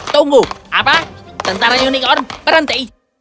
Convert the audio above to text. tunggu apa tentara unicorn berhenti